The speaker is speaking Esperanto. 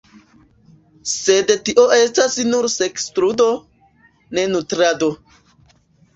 Sed tio estas nur seksludo, ne nutrado.